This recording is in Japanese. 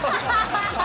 ハハハハハ！